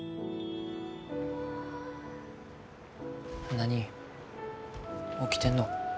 何起きてんの。